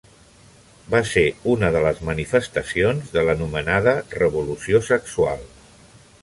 Va ser una de les manifestacions de l'anomenada revolució sexual.